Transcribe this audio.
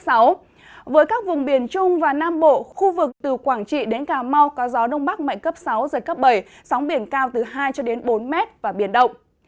sóng biển cao từ hai cho đến bốn mét và biển động